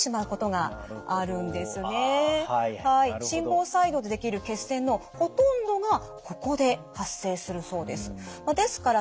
心房細動でできる血栓のほとんどがここで発生するそうです。